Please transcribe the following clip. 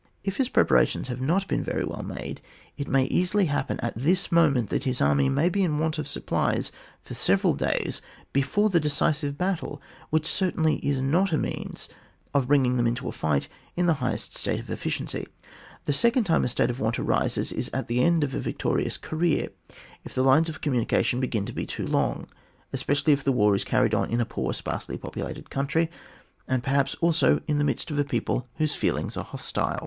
If his prepara tions have not been veiy weU made, it may easily happen at this moment that his army may be in want of supplies for several days before the decisive battle, which certainly is not a means of bring ing them into the fight in the highest state of efficiency. The second time a state of want arises is at the end of a victorious career, if the lines of communication begin to be too long, especially if the war is carried on in a poor, sparsely populated country, and perhaps also in the midst of a people whose feelings are hostile.